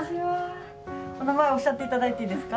お名前おっしゃっていただいていいですか？